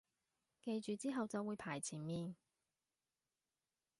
記住之後就會排前面